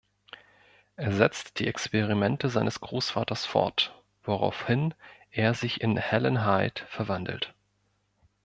Er setzt die Experimente seines Großvaters fort, woraufhin er sich in Helen Hyde verwandelt.